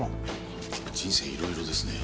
人生いろいろですね。